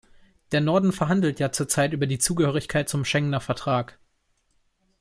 Der Norden verhandelt ja zur Zeit über die Zugehörigkeit zum Schengener Vertrag.